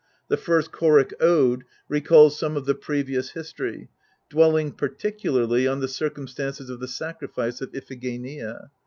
The first choric ode recalls some of the previous history, dwelling particularly on the circumstances of the sacrifice of Iphigenia.